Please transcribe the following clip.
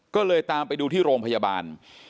ก็เลยตามไปดูที่โรงพยาบาล